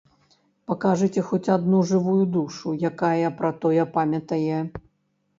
Пакажыце хоць адну жывую душу, якая пра тое памятае!